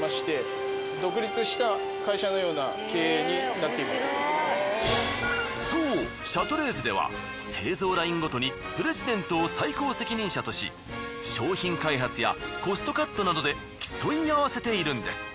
それぞれのそうシャトレーゼでは製造ラインごとにプレジデントを最高責任者とし商品開発やコストカットなどで競い合わせているんです。